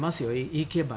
行けば。